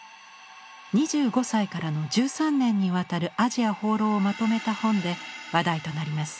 ２５歳からの１３年にわたるアジア放浪をまとめた本で話題となります。